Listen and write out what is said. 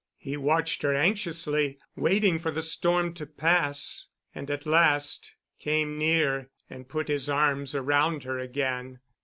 He watched her anxiously, waiting for the storm to pass, and at last came near and put his arms around her again.